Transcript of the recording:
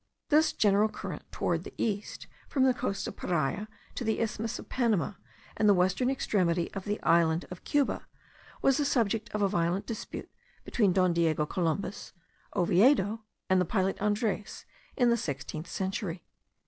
This general current toward the east, from the coasts of Paria to the isthmus of Panama and the western extremity of the island of Cuba, was the subject of a violent dispute between Don Diego Columbus, Oviedo, and the pilot Andres, in the sixteenth century.)